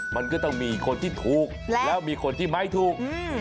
มันก็ต้องมีคนที่ถูกแล้วมีคนที่ไม้ถูก